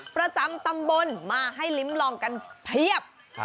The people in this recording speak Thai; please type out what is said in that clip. ประจำตำบลมาให้ลิ้มลองกันเพียบ